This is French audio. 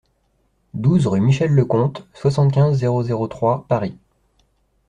douze rue Michel le Comte, soixante-quinze, zéro zéro trois, Paris